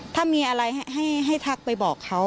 ถ้ามีอะไรให้ทักไปบอกเขา